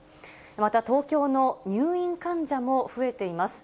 また、東京の入院患者も増えています。